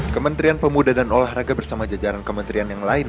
kementerian pemuda dan olahraga bersama jajaran kementerian yang lain